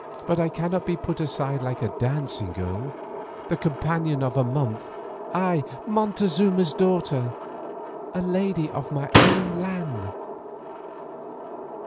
But I cannot be put aside like a dancing girl, the companion of a month, I, Montezuma's daughter, a lady of my own land.